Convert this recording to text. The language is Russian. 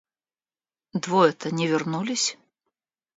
Двое-то не вернулись.